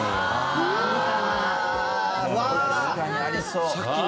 確かにありそう。